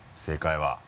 正解は？